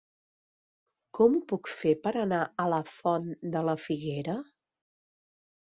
Com ho puc fer per anar a la Font de la Figuera?